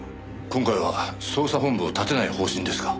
今回は捜査本部を立てない方針ですか？